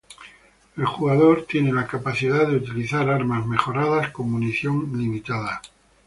El jugador tiene la capacidad de utilizar armas mejoradas con munición limitada.